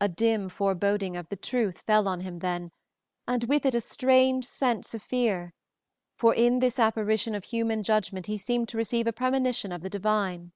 A dim foreboding of the truth fell on him then, and with it a strange sense of fear; for in this apparition of human judgment he seemed to receive a premonition of the divine.